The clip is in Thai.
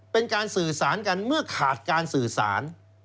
เป็นการสื่อสารกันเมื่อขาดการสื่อสาร